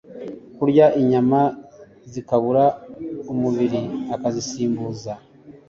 kurya inyama zikabura umubiri akazisimbuza